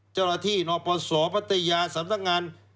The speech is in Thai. เจ้าหน้าที่นปสพัทยาสำนักงาน